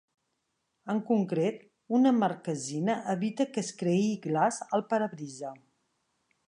En concret, una marquesina evita que es creï glaç al parabrisa.